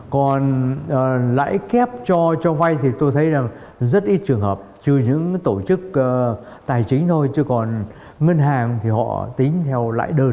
còn lãi kép cho cho vay thì tôi thấy là rất ít trường hợp trừ những tổ chức tài chính thôi chứ còn ngân hàng thì họ tính theo lãi đơn